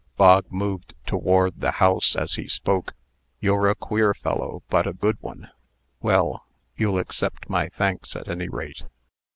Bog moved toward the house as he spoke. "You're a queer fellow, but a good one. Well, you'll accept my thanks, at any rate."